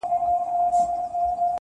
ددې نړۍ وه ښايسته مخلوق ته.